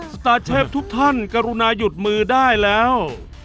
สตาร์เชฟทุกท่านกรุณาหยุดมือได้แล้ว